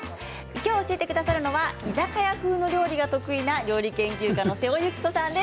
きょう教えてくださるのは居酒屋風の料理が得意な料理研究家の瀬尾幸子さんです。